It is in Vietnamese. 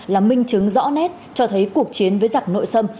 là minh chứng rõ nét cho thấy cuộc chiến với giặc nội sâm